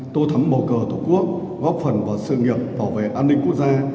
tô thắm bầu cờ tổ quốc góp phần vào sự nghiệp bảo vệ an ninh quốc gia